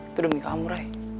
itu demi kamu ray